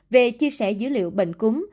về chia sẻ dữ liệu bệnh cúm